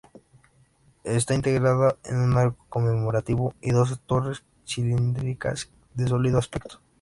Está integrada por un arco conmemorativo y dos torres cilíndricas de sólido aspecto.